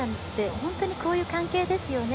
本当にこういう関係ですよね。